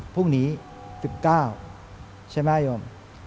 พรุ่งนี้๑๙ใช่ไหมโยม